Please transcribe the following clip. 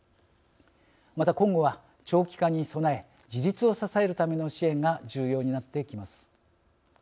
また今後は長期化に備え自立を支えるための支援が重要になってきます。